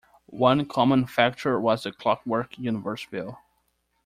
One common factor was the clockwork universe view.